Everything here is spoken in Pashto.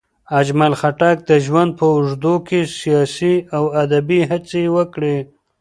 اجمل خټک د ژوند په اوږدو کې سیاسي او ادبي هڅې وکړې.